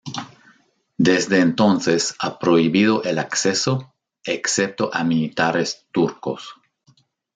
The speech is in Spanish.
Desde entonces ha prohibido el acceso, excepto a militares turcos.